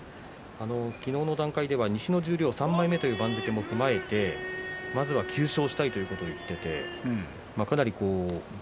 昨日の段階では西の十両３枚目という番付も踏まえてまずは９勝したいと言っていました。